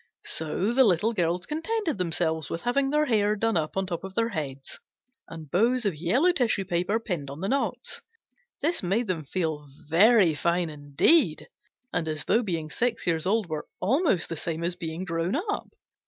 So the Little Girls contented themselves with having their hair done up on top of their heads and bows of yellow tissue paper pinned on the knots. This made them feel very fine indeed, and as though being six years old were almost the same as being grown up.